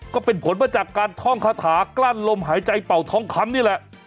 ก็เป็นผลมาจากการท่องคาถากลั้นลมหายใจเป่าทองคำนี่แหละ